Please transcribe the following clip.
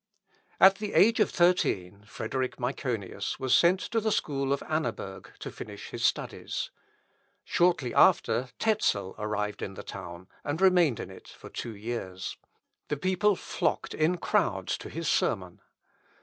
At the age of thirteen Frederick Myconius was sent to the school of Annaberg to finish his studies. Shortly after, Tezel arrived in the town, and remained in it for two years. The people flocked in crowds to his sermon.